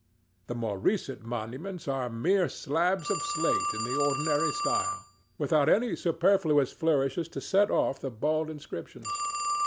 The more recent monuments are mere slabs of slate in the ordinary style, without any superfluous flourishes to set off the bald inscriptions.